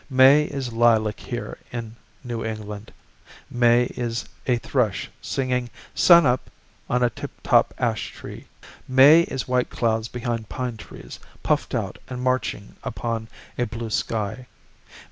May is lilac here in New England, May is a thrush singing "Sun up!" on a tip top ash tree, May is white clouds behind pine trees Puffed out and marching upon a blue sky.